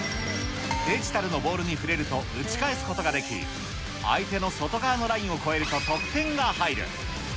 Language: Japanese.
デジタルのボールに触れると打ち返すことができ、相手の外側のラインを越えると得点が入る。